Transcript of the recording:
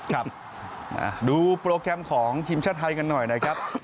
ครับดูโปรแกรมของทีมชาติไทยกันหน่อยนะครับ